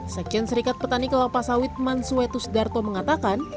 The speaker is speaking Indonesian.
sekjen serikat petani kelapa sawit mansuetus darto mengatakan